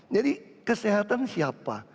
jadi kesehatan siapa